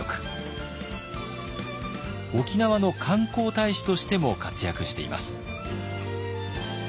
沖縄の観光大使としても活躍しています。